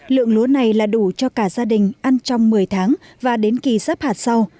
lượng lúa này là đủ cho cả gia đình ăn trong một mươi tháng và đến kỳ sắp hạt sau